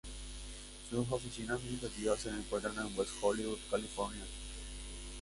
Sus oficinas administrativas se encuentran en West Hollywood, California.